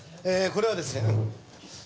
これはですね